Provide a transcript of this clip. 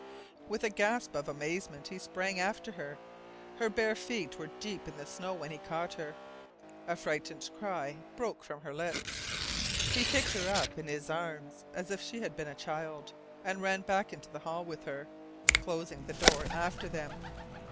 With a gasp of amazement he sprang after her. Her bare feet were deep in the snow when he caught her. A frightened cry broke from her lips. He picked her up in his arms as if she had been a child, and ran back into the hall with her, closing the door after them.